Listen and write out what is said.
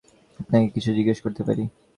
আপনাকে কিছু জিজ্ঞাসা করতে পারি?